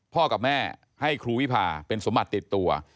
กับแม่ให้ครูวิพาเป็นสมบัติติดตัว